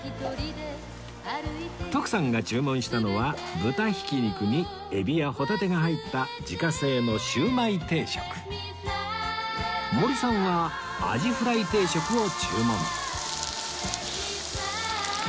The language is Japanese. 徳さんが注文したのは豚ひき肉にエビやホタテが入った自家製の森さんはあじフライ定食を注文